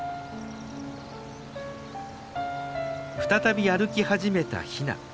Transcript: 再び歩き始めたヒナ。